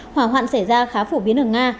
hỏa hoạn xảy ra khá phổ biến ở nga